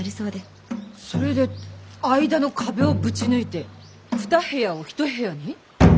それで間の壁をぶち抜いて２部屋を１部屋に？